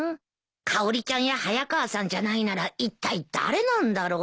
かおりちゃんや早川さんじゃないならいったい誰なんだろう？